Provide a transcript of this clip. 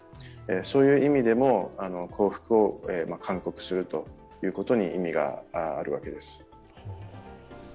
そういう意味でも降伏を勧告することに意味があるわけです。